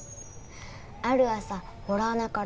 「ある朝ほら穴から」